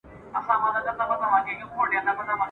موږ باید د خپل هېواد راتلونکی روښانه کړو.